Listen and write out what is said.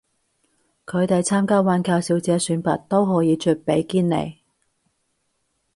佢哋參加環球小姐選拔都可以着比基尼